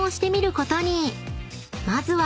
［まずは］